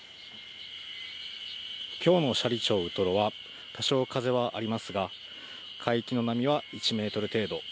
きょうの斜里町ウトロは、多少風はありますが、海域の波は１メートル程度。